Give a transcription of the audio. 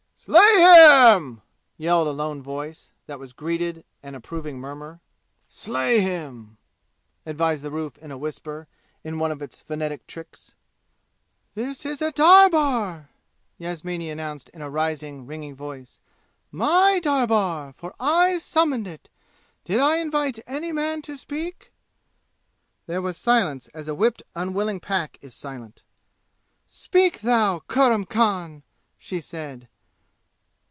"Slay him!" yelled a lone voice, that was greeted an approving murmur. "Slay him!" advised the roof in a whisper, in one of its phonetic tricks. "This is a darbar!" Yasmini announced in a rising, ringing voice. "My darbar, for I summoned it! Did I invite any man to speak?" There was silence, as a whipped unwilling pack is silent. "Speak, thou, Kurram Khan!" she said.